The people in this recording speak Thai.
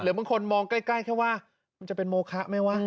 บางคนมองใกล้แค่ว่ามันจะเป็นโมคะไหมวะ